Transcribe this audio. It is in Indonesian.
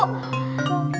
kan pak ut sebutin